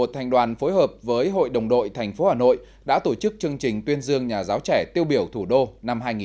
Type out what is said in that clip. thành đoàn phối hợp với hội đồng đội thành phố hà nội đã tổ chức chương trình tuyên dương nhà giáo trẻ tiêu biểu thủ đô năm hai nghìn một mươi chín